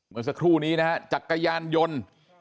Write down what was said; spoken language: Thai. เมื่อสักครู่นี้นะฮะจักรยานยนต์